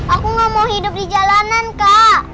aku gak mau hidup di jalanan kak